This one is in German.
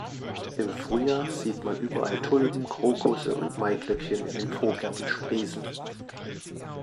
Im Frühjahr sieht man überall Tulpen, Krokusse und Maiglöckchen in den Vorgärten sprießen.